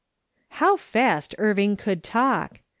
How fast Irving could talk